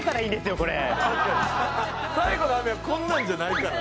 『最後の雨』はこんなんじゃないから。